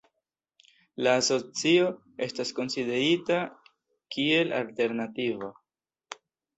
La asocio estas konsiderita kiel alternativa.